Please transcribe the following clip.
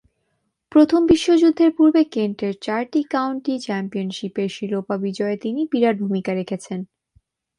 প্রথম বিশ্বযুদ্ধের পূর্বে কেন্টের চারটি কাউন্টি চ্যাম্পিয়নশীপের শিরোপা বিজয়ে তিনি বিরাট ভূমিকা রেখেছেন।